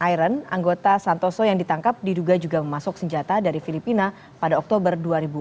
iron anggota santoso yang ditangkap diduga juga memasuk senjata dari filipina pada oktober dua ribu empat belas